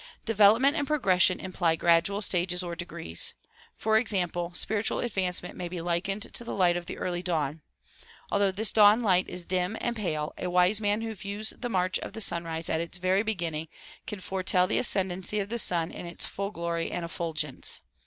Develop ment and progression imply gradual stages or degrees. FOr ex ample, spiritual advancement may be likened to the light of the early dawn. Although this dawn light is dim and pale a wise man who views the march of the sunrise at its very beginning can fore tell the ascendency of the sun in its full glory and effulgence.